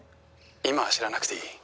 「今は知らなくていい」